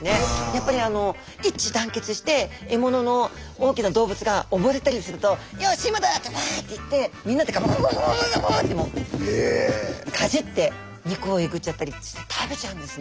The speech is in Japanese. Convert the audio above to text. やっぱり一致団結して獲物の大きな動物が溺れたりすると「よし今だ」ってわって行ってみんなでガブガブガブガブってもうかじって肉をえぐちゃったりして食べちゃうんですね。